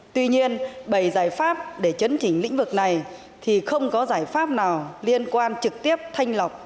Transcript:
tuy nhiên bảy giải pháp để chấn chỉnh lĩnh vực này thì không có giải pháp nào liên quan trực tiếp thanh lọc